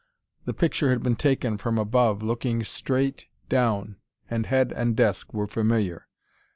The picture had been taken from above looking straight down, and head and desk were familiar.